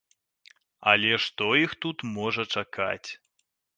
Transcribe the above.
Але што іх тут можа чакаць?